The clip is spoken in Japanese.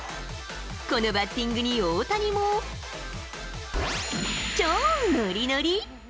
このバッティングに大谷も、超ノリノリ！